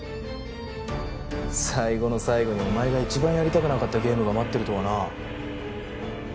最後の最後にお前が一番やりたくなかったゲームが待ってるとはな。